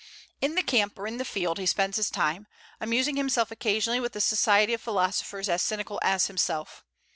In the camp or in the field he spends his time, amusing himself occasionally with the society of philosophers as cynical as himself.